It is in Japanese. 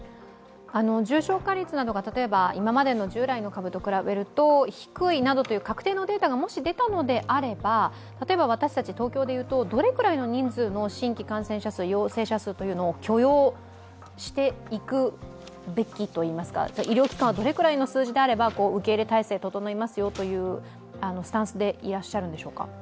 重症化率などが今までの従来の株と比べると低いなどという確定のデータが出たのであれば、例えば私たち東京で言うならば、どれくらいの人数の新規陽性者数を許容していくべきといいますか、医療機関はどのくらいの数字であれば受け入れ体制整いますよというスタンスでいらっしゃるんでしょうか？